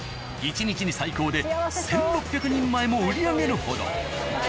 １日に最高で１６００人前も売り上げるほど。